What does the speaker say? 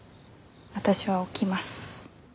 私は起きます。